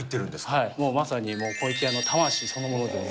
もうまさに湖池屋の魂そのもの。